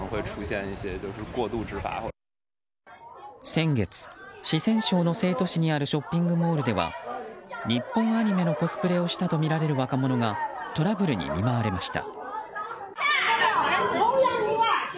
先月、四川省にあるショッピングモールでは日本アニメのコスプレをしたとみられる若者がトラブルに遭いました。